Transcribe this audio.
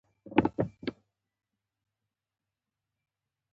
غوماشې د باران وروسته زیاتې کېږي.